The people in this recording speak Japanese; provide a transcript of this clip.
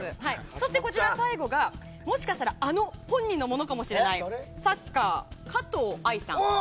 そして、最後がもしかしたらあの本人のものかもしれない「サッカー」、かとうあいさん。